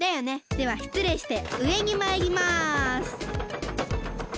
ではしつれいしてうえにまいります。